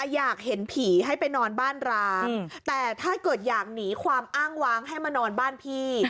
อยากเห็นผีให้ไปนอนบ้านร้างแต่ถ้าเกิดอยากหนีความอ้างวางให้มานอนบ้านพี่